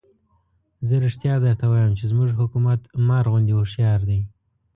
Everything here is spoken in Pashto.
زه رښتیا درته وایم چې زموږ حکومت مار غوندې هوښیار دی.